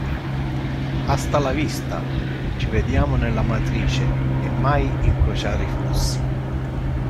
Hasta la vista, ci vediamo nella matrice e mai incrociare i flussi!